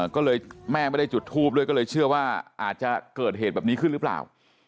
ก็เลยแม่ไม่ได้จุดทูปด้วยก็เลยเชื่อว่าอาจจะเกิดเหตุแบบนี้ขึ้นหรือเปล่า